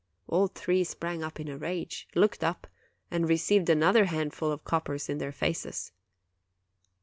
All three sprang up in a rage, looked up, and received another handful of coppers in their faces.